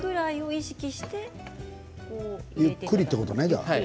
ゆっくりということね。